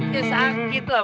ya sakit lah